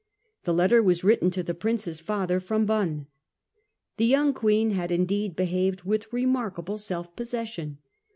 The letter was written to the Prince's father, from Bonn. The young Queen had indeed behaved with remarkable self possession.